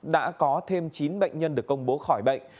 đã có thêm chín bệnh nhân được công bố khỏi bệnh